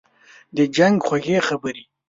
« د جنګ خوږې خبري